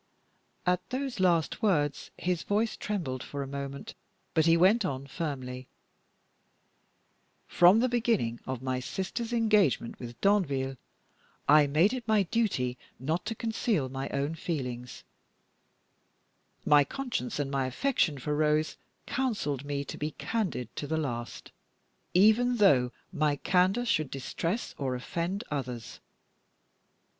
At those last words, his voice trembled for a moment, but he went on firmly; "from the beginning of my sister's engagement with Danville, I made it my duty not to conceal my own feelings; my conscience and my affection for Rose counseled me to be candid to the last, even though my candor should distress or offend others.